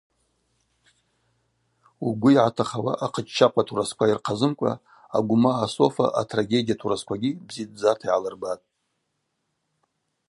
Угвы йгӏатахауа ахъыччахъва турасква йырхъазымкӏва Агумаа Софа атрагедия турасквагьи бзидздзата йгӏалырбатӏ.